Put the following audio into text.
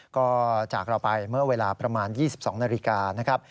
ก็จากเราไปเมื่อเวลาประมาณ๒๒นาฬิกานะครับ